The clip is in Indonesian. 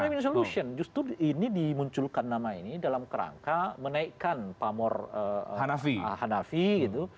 win solution justru ini dimunculkan nama ini dalam kerangka menaikkan pamor hanafi gitu